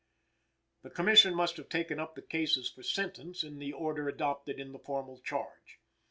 The Commission must have taken up the cases for sentence in the order adopted in the formal Charge.